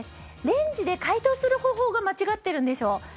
レンジで解凍する方法が間違ってるんですよ。